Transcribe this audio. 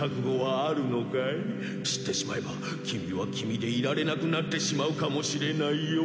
知ってしまえば君は君でいられなくなってしまうかもしれないよ。